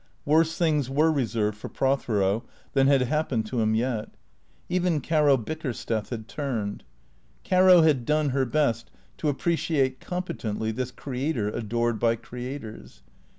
Worse things were reserved for Prothero than had happened to him yet. Even Caro Bickersteth Iiad turned. Caro had done her best to appreciate competently this creator adored by creators.